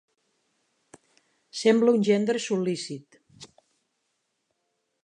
Sembla un gendre sol·lícit.